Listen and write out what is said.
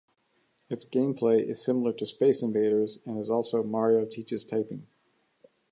Its gameplay is similar to "Space Invaders "and also "Mario Teaches Typing".